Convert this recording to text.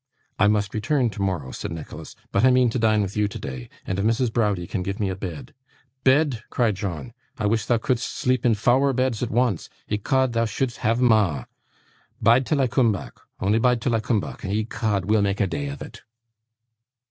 'I must return tomorrow,' said Nicholas, 'but I mean to dine with you today, and if Mrs. Browdie can give me a bed ' 'Bed!' cried John, 'I wish thou couldst sleep in fower beds at once. Ecod, thou shouldst have 'em a'. Bide till I coom back; on'y bide till I coom back, and ecod we'll make a day of it.